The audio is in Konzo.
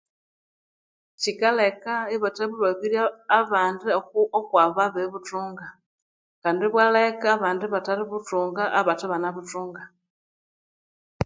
Kikaleka ibathabulabirya abandi okwabu ababibuthunga kandi ibwaleka abandi ibathabuthunga okwabu abathebabuthunga